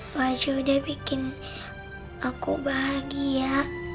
bahwa si udah bikin aku bahagia